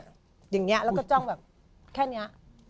อย่างนี้แล้วก็จ้องแบบแค่นี้